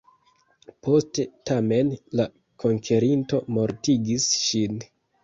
Poste tamen, la konkerinto mortigis ŝin.